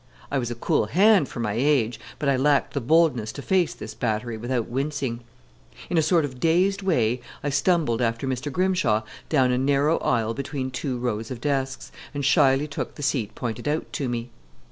I was a cool hand for my age, but I lacked the boldness to face this battery without wincing. In a sort of dazed way I stumbled after Mr. Grimshaw down a narrow aisle between two rows of desks, and shyly took the seat pointed out to me.